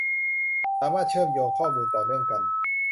สามารถเชื่อมโยงข้อมูลต่อเนื่องกัน